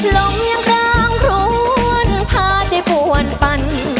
ลมยังคล้างห้วนผ้าใจปวนปั้น